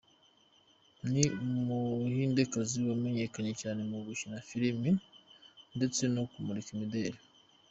Ni Umuhindekazi wamenyekanye cyane mu gukina amafilime ndetse no mu kumurika imideli.